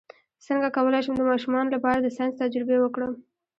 څنګه کولی شم د ماشومانو لپاره د ساینس تجربې وکړم